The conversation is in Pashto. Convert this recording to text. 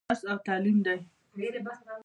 درس او تعليم دى.